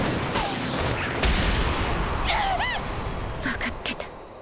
分かってた。